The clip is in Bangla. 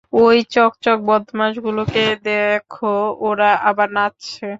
ওই চকচকে বদমাশগুলোকে দেখো, ওরা আবার নাচছে।